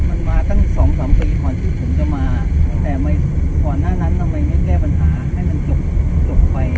มันมาตั้งสองสามปีก่อนที่ผมจะมาแต่ก่อนหน้านั้นทำไมไม่แก้ปัญหาให้มันจบไป